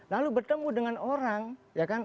lalu bertemu dengan orang ya kan